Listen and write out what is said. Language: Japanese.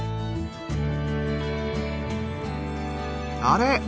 あれ？